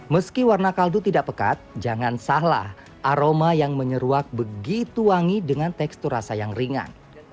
meski warna kaldu tidak pekat jangan salah aroma yang menyeruak begitu wangi dengan tekstur rasa yang ringan